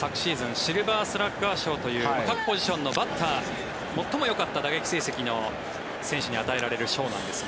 シルバースラッガー賞という各ポジションの最もよかった打撃成績の選手に与えられる賞なんですが。